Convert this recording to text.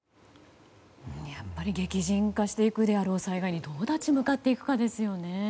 やっぱり激甚化していくであろうどう立ち向かっていくかですよね。